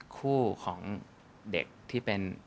คู่ของเด็กที่เป็น